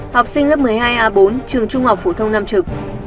học sinh lớp một mươi hai a bốn trường trung học phổ thông nam trực